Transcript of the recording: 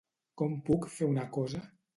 Com puc fer una cosa?